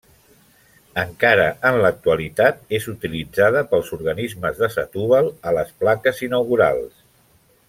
Encara en l'actualitat és utilitzada pels organismes de Setúbal a les plaques inaugurals.